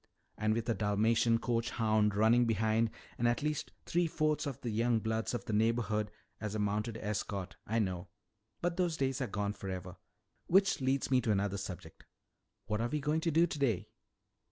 "And with a Dalmatian coach hound running behind and at least three fourths of the young bloods of the neighborhood as a mounted escort. I know. But those days are gone forever. Which leads me to another subject. What are we going to do today?"